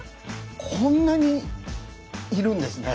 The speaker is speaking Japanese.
こんなにいるんですね。